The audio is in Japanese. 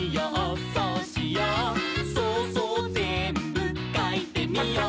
「そうそうぜんぶかいてみよう」